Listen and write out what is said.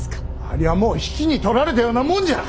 ありゃもう比企に取られたようなもんじゃ。